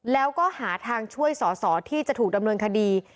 แล้วก็หาทางช่วยสอสอที่จะถูกดำเนินคดี